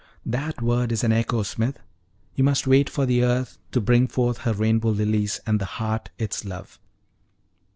"That word is an echo, Smith. You must wait for the earth to bring forth her rainbow lilies, and the heart its love."